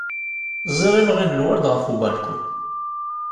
Ẓẓiɣ imɣi n lwerd ɣef ubalkun.